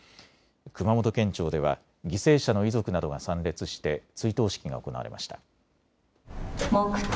熊本県庁では犠牲者の遺族などが参列して追悼式が行われました。